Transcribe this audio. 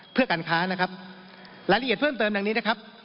เพื่อการค้านะครับรายละเอียดเพิ่มเติมดังนี้นะครับ